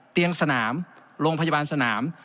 เตียงสนามโรงพยาบาลสนาม